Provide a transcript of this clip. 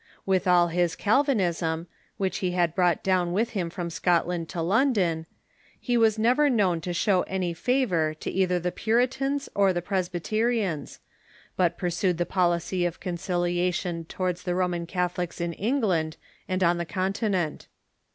With all his Calvinism, which he had brought down with him from Scotland to London, he was never known to show any favor to either the Puritans or the Pres byterians, but pursued the policy of conciliation towards the Roman Catholics in England and on the Continent.